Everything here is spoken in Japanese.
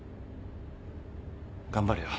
頑張れよ。